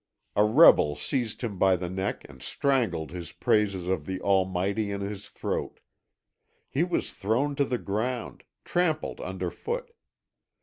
A rebel seized him by the neck and strangled his praises of the Almighty in his throat. He was thrown to the ground, trampled underfoot.